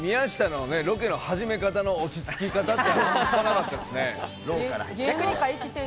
宮下のロケの始め方の落ち着き方がかなわんかったですね。